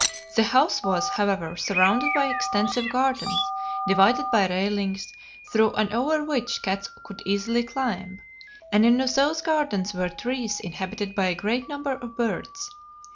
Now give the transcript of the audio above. The house was, however, surrounded by extensive gardens, divided by railings, through and over which cats could easily climb, and in those gardens were trees inhabited by a great number of birds.